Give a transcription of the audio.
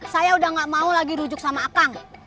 saya udah gak mau lagi rujuk sama akang